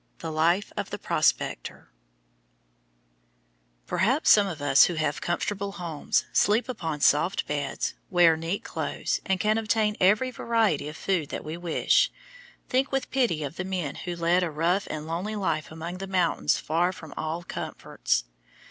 THE LIFE OF THE PROSPECTOR Perhaps some of us who have comfortable homes, sleep upon soft beds, wear neat clothes, and can obtain every variety of food that we wish, think with pity of the men who lead a rough and lonely life among the mountains far from all comforts.